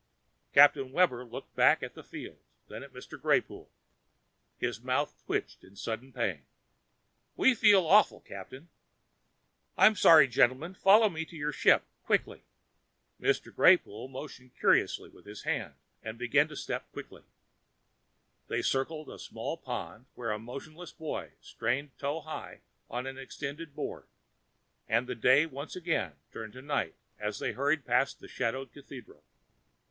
Captain Webber looked back at the fields, then at Mr. Greypoole. His mouth twitched in sudden pain. "We feel awful, Captain!" "I'm sorry, gentlemen. Follow me to your ship, quickly." Mr. Greypoole motioned curiously with his hands and began to step briskly. They circled a small pond where a motionless boy strained toe high on an extended board. And the day once again turned to night as they hurried past a shadowed cathedral.